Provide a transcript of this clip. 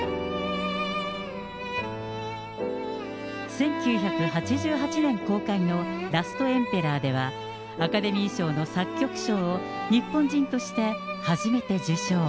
１９８８年公開のラストエンペラーでは、アカデミー賞の作曲賞を日本人として初めて受賞。